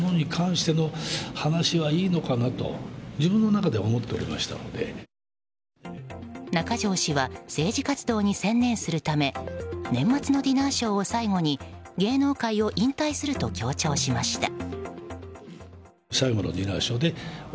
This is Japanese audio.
中条氏は政治活動に専念するため年末のディナーショーを最後に芸能界を引退すると強調しました。